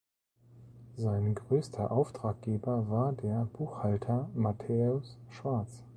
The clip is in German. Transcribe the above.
Sein größter Auftraggeber war der Buchhalter Matthäus Schwarz.